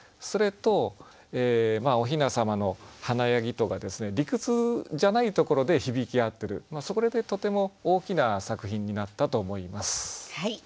それとおひなさまの華やぎとが理屈じゃないところで響き合ってるそれでとても大きな作品になったと思います。